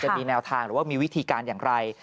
มีแนวทางหรือว่ามีวิธีการอย่างไร